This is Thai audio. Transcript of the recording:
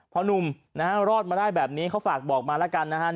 พอนุ่มนะฮะรอดมาได้แบบนี้เขาฝากบอกมาแล้วกันนะฮะ